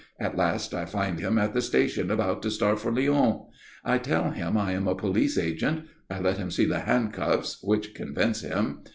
At last I find him at the station about to start for Lyon. I tell him I am a police agent. I let him see the handcuffs, which convince him.